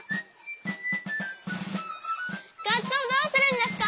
がっそうどうするんですか？